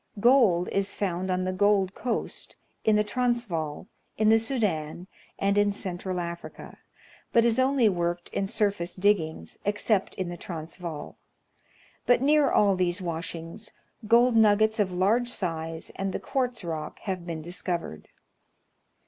Gold is found on the Gold Coast, in the Transvaal, in the Sudan, and in Central Africa, but is only worked in surface diggings, excepting in the Transvaal ; but near all these washings, gold nuggets of large size, and the quartz rock, have been discovered.